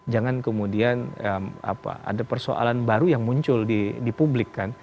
jangan kemudian ada persoalan baru yang muncul di publik kan